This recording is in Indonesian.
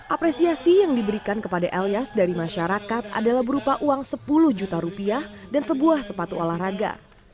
apresiasi yang diberikan kepada elias dari masyarakat adalah berupa uang sepuluh juta rupiah dan sebuah sepatu olahraga